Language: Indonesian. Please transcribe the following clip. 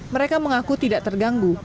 mereka mengaku tidak terganggu